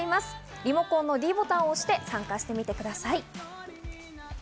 リモコンのｄボタンを押して参加してみてください。